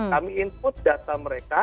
kami input data mereka